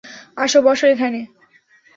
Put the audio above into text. আসো, বসো এখানে।